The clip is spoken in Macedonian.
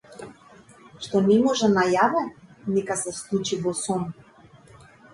Што не може на јаве, нека се случи во сон.